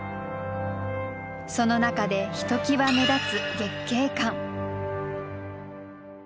その中でひときわ目立つ